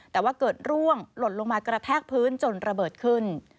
แต่ว่าเกิดร่วงหล่นลงมากระแทกพื้นจนระเบิดขึ้น